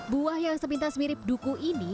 buah yang sepintas mirip duku ini